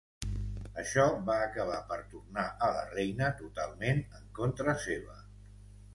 Això va acabar per tornar a la reina totalment en contra seva.